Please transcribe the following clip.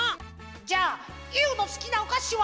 じゃあユーのすきなおかしは？